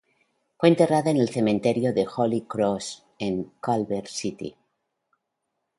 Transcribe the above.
Fue enterrada en el Cementerio de Holy Cross, en Culver City.